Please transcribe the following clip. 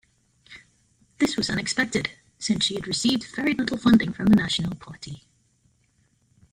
This was unexpected since she had received very little funding from the national party.